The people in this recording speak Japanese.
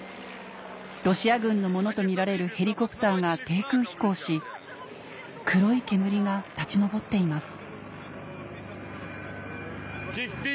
ロシア軍のものとみられるヘリコプターが低空飛行し黒い煙が立ち上っています